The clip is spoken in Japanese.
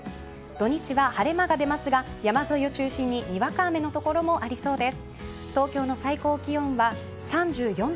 土日は晴れ間が出ますが山沿いを中心ににわか雨のところもありそうです。